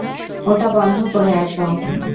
ওটা বন্ধ করে আসো।